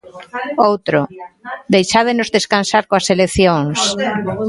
Outro: Deixádenos descansar coas eleccións.